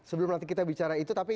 sebelum nanti kita bicara itu tapi